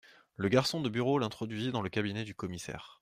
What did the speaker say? Le garçon de bureau l'introduisit dans le cabinet du commissaire.